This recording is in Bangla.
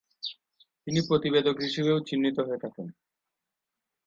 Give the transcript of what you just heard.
তিনি প্রতিবেদক হিসেবেও চিহ্নিত হয়ে থাকেন।